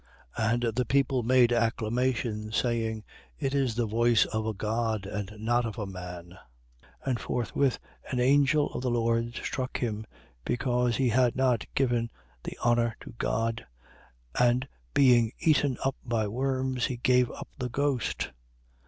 12:22. And the people made acclamation, saying: It is the voice of a god, and not of a man. 12:23. And forthwith an angel of the Lord struck him, because he had not given the honour to God: and, being eaten up by worms, he gave up the ghost.